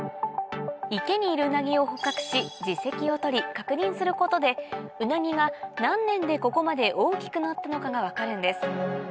池にいるウナギを捕獲し耳石を取り確認することでウナギが何年でここまで大きくなったのかが分かるんです